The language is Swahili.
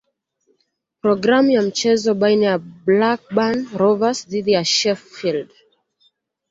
Programu ya mchezo baina ya Blackburn Rovers dhidi ya Sheffield